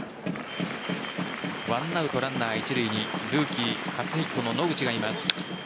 １アウトランナー一塁にルーキー初ヒットの野口がいます。